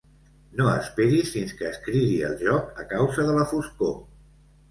No esperis fins que es cridi el joc a causa de la foscor!